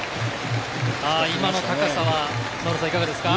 今の高さはいかがですか？